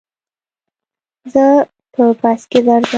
زه په بس کي درځم.